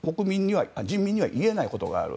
人民には言えないことがある。